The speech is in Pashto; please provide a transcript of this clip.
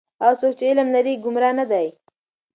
هغه څوک چې علم لري گمراه نه دی.